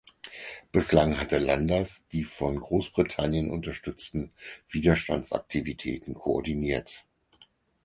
Bislang hatte Landers die von Großbritannien unterstützten Widerstandsaktivitäten koordiniert.